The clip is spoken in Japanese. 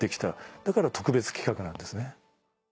だから特別企画なんですね。